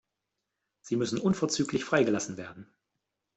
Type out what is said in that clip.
Sie müssen unverzüglich freigelassen werden.